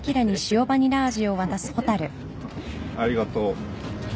ありがとう。